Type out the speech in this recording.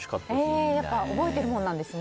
覚えてるものなんですね。